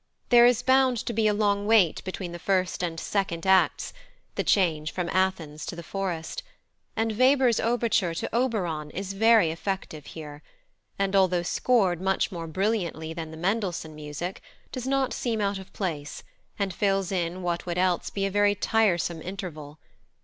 There is bound to be a long wait between the first and second acts the change from Athens to the Forest and Weber's overture to Oberon is very effective here; and, although scored much more brilliantly than the Mendelssohn music, does not seem out of place, and fills in what would else be a very tiresome interval.